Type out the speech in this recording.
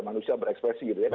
manusia berekspresi gitu ya